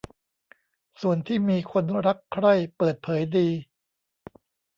ส่วนที่มีคนรักใคร่เปิดเผยดี